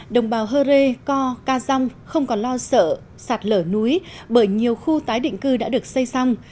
đồng bào hơ rê co ca rong không còn lo sợ sạt lở núi bởi nhiều khu tái định cư đã được xây xong